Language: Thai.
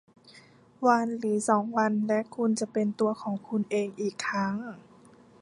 วันหรือสองวันและคุณจะเป็นตัวของคุณเองอีกครั้ง